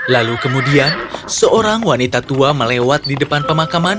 lalu kemudian seorang wanita tua melewat di depan pemakaman